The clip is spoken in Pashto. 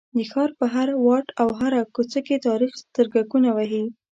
د ښار په هر واټ او هره کوڅه کې تاریخ سترګکونه وهي.